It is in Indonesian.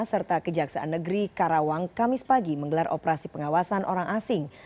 serta kejaksaan negeri karawang kamis pagi menggelar operasi pengawasan orang asing